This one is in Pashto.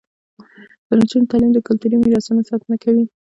د نجونو تعلیم د کلتوري میراثونو ساتنه کوي.